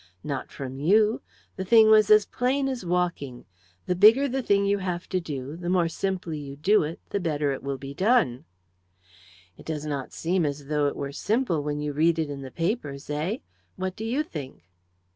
"Not from you the thing was as plain as walking! The bigger the thing you have to do the more simply you do it the better it will be done." "It does not seem as though it were simple when you read it in the papers eh? What do you think?"